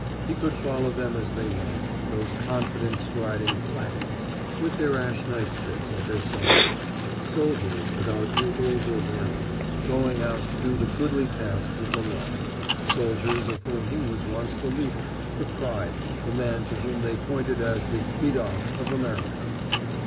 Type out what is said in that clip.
He could follow them as they went, those confident striding "flatties" with their ash night sticks at their side, soldiers without bugles or banner, going out to do the goodly tasks of the Law, soldiers of whom he was once the leader, the pride, the man to whom they pointed as the Vidoc of America.